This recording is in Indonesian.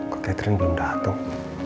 kak catherine belum datang